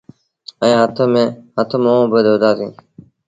ائيٚݩ هٿ منهن با ڌوتآندي۔